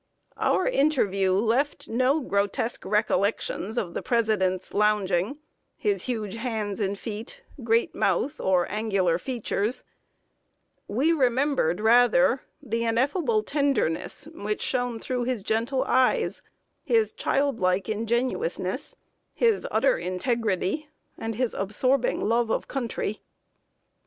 Our interview left no grotesque recollections of the President's lounging, his huge hands and feet, great mouth, or angular features. We remembered rather the ineffable tenderness which shone through his gentle eyes, his childlike ingenuousness, his utter integrity, and his absorbing love of country. [Sidenote: OUR BEST CONTRIBUTION TO HISTORY.